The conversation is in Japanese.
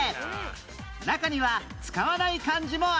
中には使わない漢字もあります